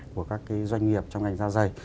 của các doanh nghiệp trong ngành da dày